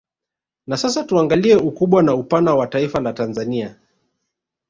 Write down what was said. Na sasa tuangalie ukubwa na upana wa Taifa la Tanzania